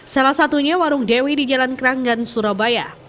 salah satunya warung dewi di jalan keranggan surabaya